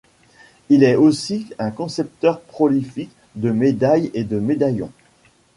Il est aussi un concepteur prolifique de médailles et de médaillons.